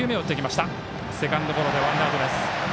セカンドゴロでワンアウトです。